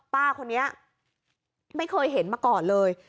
ป้าคนนี้ไม่เคยเห็นมาก่อนเลย